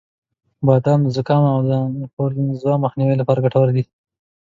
• بادام د زکام او انفلونزا د مخنیوي لپاره ګټور دی.